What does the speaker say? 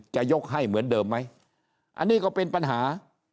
จะยกให้เหมือนเดิมไหมอันนี้ก็เป็นปัญหา